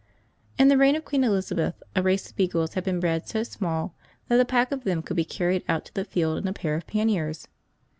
In the reign of Queen Elizabeth a race of beagles had been bred so small, that a pack of them could be carried out to the field in a pair of panniers.